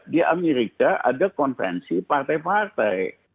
di amerika ada konvensi partai partai